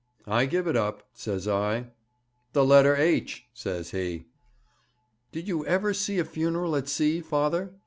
"I give it up," says I. "The letter H," says he.' 'Did you ever see a funeral at sea, father?'